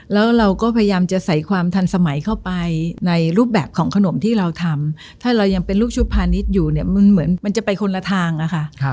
แล้วเราก็พยายามจะใส่ความทันสมัยเข้าไปในรูปแบบของขนมที่เราทำถ้าเรายังเป็นลูกชุบพาณิชย์อยู่เนี่ยมันเหมือนมันจะไปคนละทางอะค่ะ